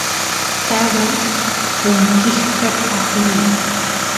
taba punkisqa apini